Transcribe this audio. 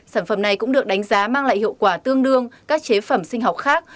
sản phẩm này cũng được đánh giá mang lại hiệu quả tương đương các chế phẩm sinh học khác